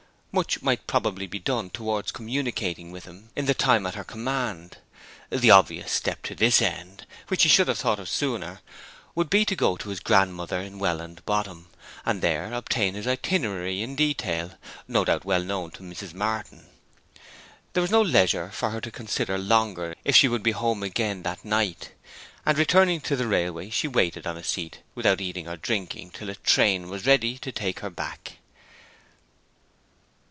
Much might probably be done towards communicating with him in the time at her command. The obvious step to this end, which she should have thought of sooner, would be to go to his grandmother in Welland Bottom, and there obtain his itinerary in detail no doubt well known to Mrs. Martin. There was no leisure for her to consider longer if she would be home again that night; and returning to the railway she waited on a seat without eating or drinking till a train was ready to take her back.